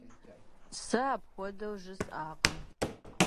Сэ апхуэдэу жысӀакъым.